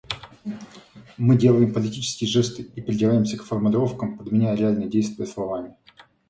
Мы делаем политические жесты и придираемся к формулировкам, подменяя реальные действия словами.